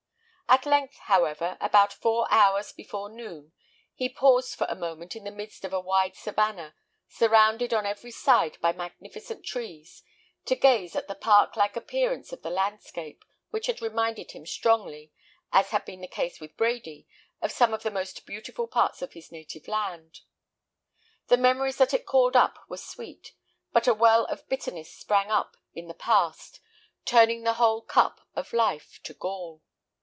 At length, however, about four hours before noon, he paused for a moment in the midst of a wide savannah, surrounded on every side by magnificent trees, to gaze at the park like appearance of the landscape, which had reminded him strongly, as had been the case with Brady, of some of the most beautiful parts of his native land. The memories that it called up were sweet, but a well of bitterness sprang up in the past, turning the whole cup of life to gall.